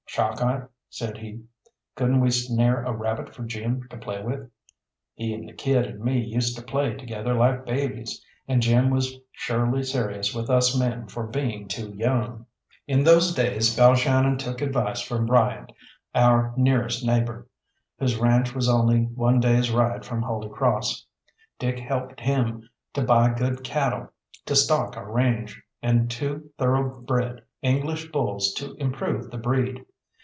"Chalkeye," said he, "couldn't we snare a rabbit for Jim to play with?" He and the kid and me used to play together like babies, and Jim was surely serious with us men for being too young. In those days Balshannon took advice from Bryant, our nearest neighbour, whose ranche was only one day's ride from Holy Cross. Dick helped him to buy good cattle to stock our range, and two thoroughbred English bulls to improve the breed.